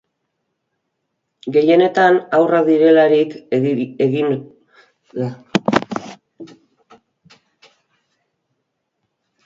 Gehienetan haurrak direlarik egiten ohi dute katolikoek, gurasoek bultzatuta.